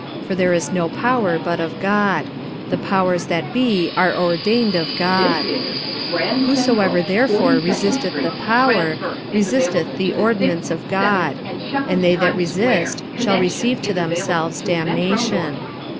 For there is no power but of God: the powers that be are ordained of God. 45:013:002 Whosoever therefore resisteth the power, resisteth the ordinance of God: and they that resist shall receive to themselves damnation.